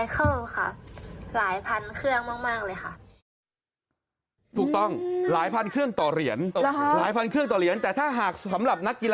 โทรศัพท์รีไซคิลหลายพันเครื่องมาก